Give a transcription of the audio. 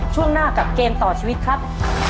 ช่วงหน้ากับเกมต่อชีวิตครับ